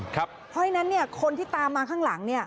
เพราะฉะนั้นคนที่ตามมาข้างหลัง